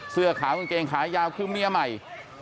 เสื้อขาวกางเกงขายาวคือเมียใหม่